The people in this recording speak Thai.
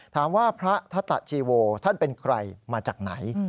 ถามว่าพระทัตตะชีโวท่านเป็นใครมาจากไหน